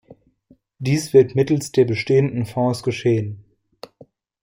Dies wird mittels der bestehenden Fonds geschehen.